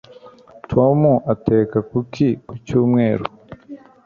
Tom ateka kuki ku cyumweru